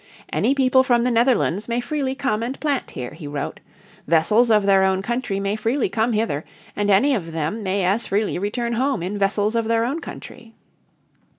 "Any people from the Netherlands may freely come and plant here," he wrote, "vessels of their own country may freely come hither, and any of them may as freely return home in vessels of their own country."